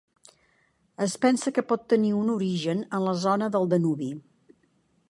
Es pensa que pot tenir un origen en la zona del Danubi.